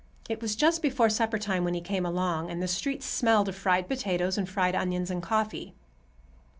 It was just before suppertime when he came along, and the street smelled of fried potatoes and fried onions and coffee.